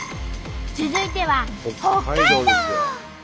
続いては北海道。